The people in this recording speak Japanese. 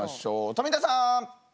富田さん。